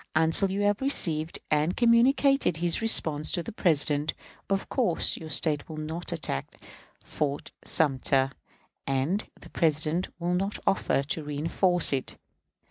Until you have received and communicated his response to the President, of course your State will not attack Fort Sumter, and the President will not offer to reënforce it.